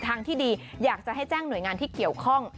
ทางที่ดีอยากจะให้แจ้งหน่วยงานที่เกี่ยวข้อง